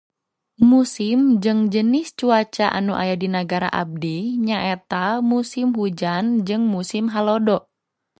Musim jeung jenis cuaca anu aya di nagara abdi nyaeta musim hujan jeung musim halodo.